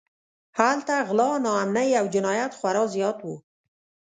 هلته غلا، ناامنۍ او جنایت خورا زیات و.